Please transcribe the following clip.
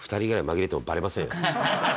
来てもバレませんよね。